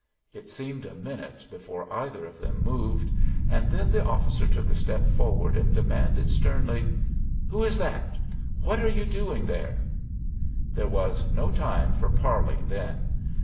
It seemed a minute before either of them moved, and then the officer took a step forward, and demanded sternly, "Who is that? What are you doing there?" There was no time for parley then.